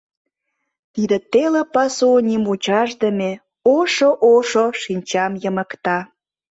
Тиде теле пасу нимучашдыме: Ошо-ошо, шинчам йымыкта.